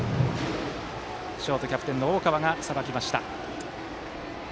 ショート、キャプテンの大川がさばきました。